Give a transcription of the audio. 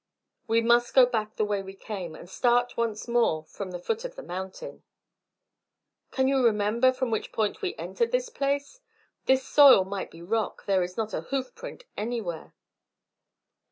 "We must go back the way we came, and start once more from the foot of the mountain." "Can you remember from which point we entered this place? This soil might be rock; there is not a hoof print anywhere."